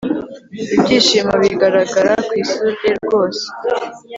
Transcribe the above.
ibyishimo bigaragara kwisura ye rwose